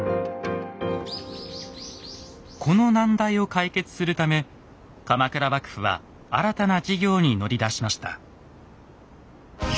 この難題を解決するため鎌倉幕府は新たな事業に乗り出しました。